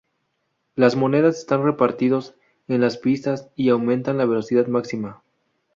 Las monedas están repartidos en las pistas y aumentan la velocidad máxima.